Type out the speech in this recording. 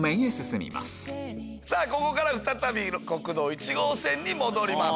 ここから再び国道１号線に戻ります。